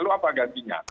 lalu apa gantinya